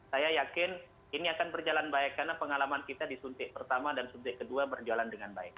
saya yakin ini akan berjalan baik karena pengalaman kita disuntik pertama dan suntik kedua berjalan dengan baik